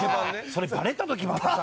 それバレた時またさ。